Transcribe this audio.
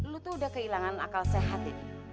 lo itu sudah kehilangan akal sehat